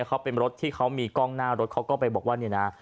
เขาเป็นรถที่เขามีกล้องหน้ารถเขาก็ไปบอกว่าเนี่ยนะ